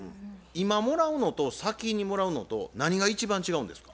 今もらうのと先にもらうのと何が一番違うんですか？